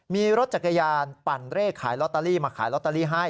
มีรถจักรยานปั่นเลขขายลอตเตอรี่มาขายลอตเตอรี่ให้